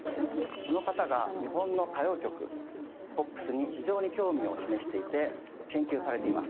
その方が日本の歌謡曲ポップスに非常に興味を示していて研究されています。